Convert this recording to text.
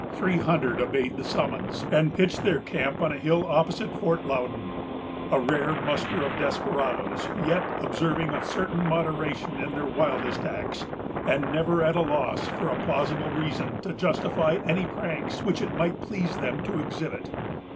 Three hundred obeyed the summons, and pitched their camp on a hill opposite Fort Loudon; a rare muster of desperadoes, yet observing a certain moderation in their wildest acts, and never at a loss for a plausible reason to justify any pranks which it might please them to exhibit.